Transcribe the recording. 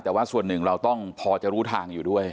แต่ว่าส่วนหนึ่งเราต้องพอจะรู้ทางอยู่ด้วย